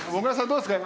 どうですか？